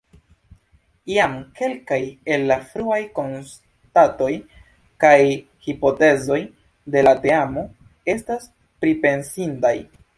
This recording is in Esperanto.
Jam kelkaj el la fruaj konstatoj kaj hipotezoj de la teamo estas pripensindaj.